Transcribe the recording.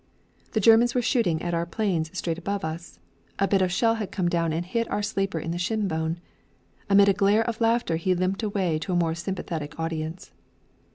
The Germans were shooting at our planes straight above us; a bit of shell had come down and hit our sleeper on the shin bone. Amid a gale of laughter he limped away to a more sympathetic audience.